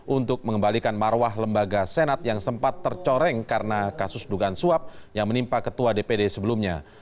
untuk mengembalikan marwah lembaga senat yang sempat tercoreng karena kasus dugaan suap yang menimpa ketua dpd sebelumnya